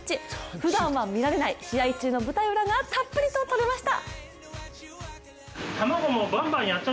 ふだんは見られない試合中の舞台裏がたっぷりと撮れました。